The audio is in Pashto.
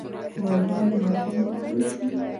په مضمون متن پوه شوم.